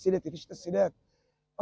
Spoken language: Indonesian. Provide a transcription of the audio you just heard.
saya menjaga mereka